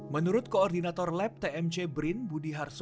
menurut koordinator lab tmc brin budi harsono